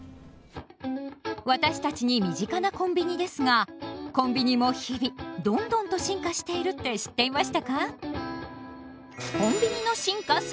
私たちに身近なコンビニですがコンビニも日々どんどんと進化しているって知っていましたか？